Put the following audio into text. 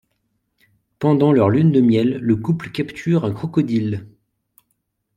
Pendant leur lune de miel, le couple capture un crocodile.